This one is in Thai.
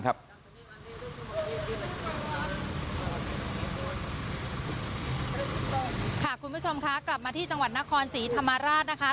คุณผู้ชมคะกลับมาที่จังหวัดนครศรีธรรมราชนะคะ